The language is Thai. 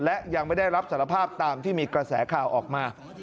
และยังไม่ได้รับสารภาพตามที่มีกระแสข่าวออกมา